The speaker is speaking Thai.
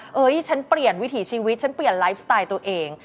เฮ้ยฉันเปลี่ยนวิถีชีวิตฉันเปลี่ยนไลฟ์สไตล์ตัวเอง